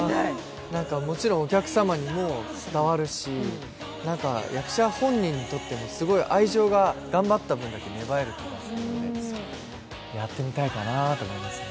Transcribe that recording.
もちろんお客様にも伝わるし、役者本人にとってもすごい頑張った分だけ愛情が芽生える、やってみたいかなぁと思います。